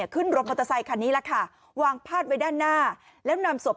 ขึ้นรถมอเตอร์ไซคันนี้แหละค่ะวางพาดไว้ด้านหน้าแล้วนำศพ